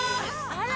あら！